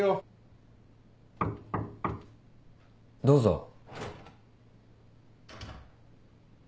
どうぞ。